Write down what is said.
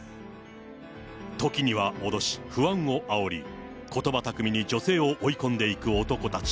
時には脅し、不安をあおり、ことば巧みに女性を追い込んでいく男たち。